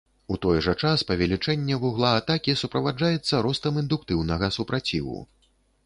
У той жа час, павелічэнне вугла атакі суправаджаецца ростам індуктыўнага супраціву.